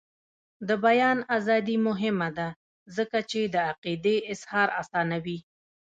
د بیان ازادي مهمه ده ځکه چې د عقیدې اظهار اسانوي.